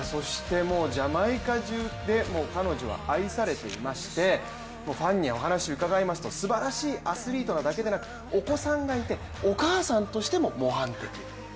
そしてジャマイカ中で彼女は愛されていまして、ファンにお話伺いますとすばらしいアスリートなだけでなくお子さんがいて、お母さんとしても模範的。